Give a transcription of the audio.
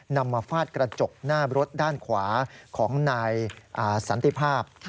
นำมาฟาดกระจกหน้ารถด้านขวาของนายสันติภาพ